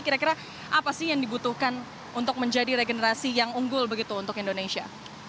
kira kira apa sih yang dibutuhkan untuk menjadi regenerasi yang unggul begitu untuk indonesia